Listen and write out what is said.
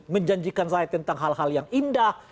menjanjikan saya tentang hal hal yang indah